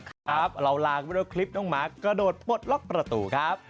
ครับเราลากันไปด้วยคลิปน้องหมากระโดดปลดล็อกประตูครับ